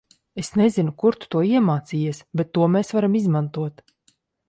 Es nezinu kur tu to iemācījies, bet to mēs varam izmantot.